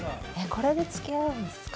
これでつきあうんですか？